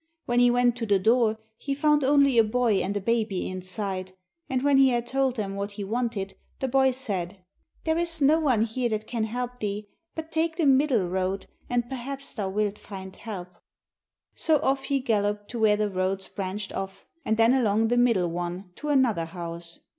When he went to the door he found only a boy and a baby inside, and when he had told them what he wanted, the boy said, 'There is no one here that can help thee, but take the middle road, and perhaps thou wilt find help.' So off he galloped to where the roads branched off, and then along the middle one to another house.